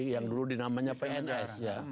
yang dulu namanya pns